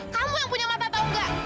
kamu yang punya mata tau gak